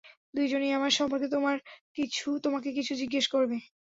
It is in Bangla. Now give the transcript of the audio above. দুইজনেই আমার সম্পর্কে তোমাকে কিছু জিজ্ঞেস করবে।